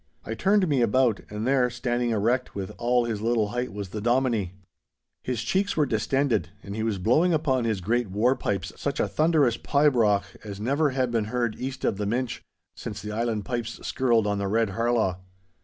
I turned me about, and there, standing erect with all his little height was the Dominie. His cheeks were distended, and he was blowing upon his great war pipes such a thunderous pibroch as never had been heard east of the Minch since the island pipes skirled on the Red Harlaw.